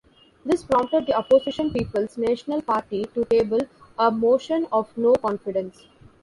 This prompted the opposition People's National Party to table a motion of no confidence.